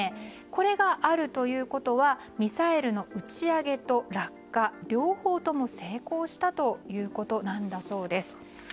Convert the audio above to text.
これがあるということはミサイルの撃ち上げと落下、両方とも成功したということなんだそうです。